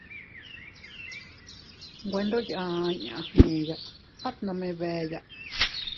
Nwe ndo yaa inña gneya, at nome beeya.